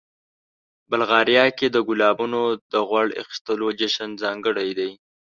بلغاریا کې د ګلابونو د غوړ اخیستلو جشن ځانګړی دی.